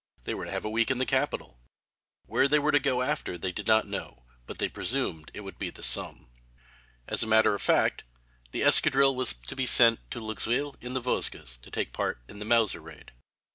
They were to have a week in the capital! Where they were to go after that they did not know, but presumed it would be the Somme. As a matter of fact the escadrille was to be sent to Luxeuil in the Vosges to take part in the Mauser raid.